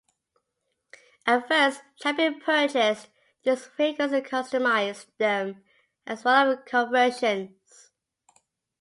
At first Chapron purchased these vehicles and customised them as one-off conversions.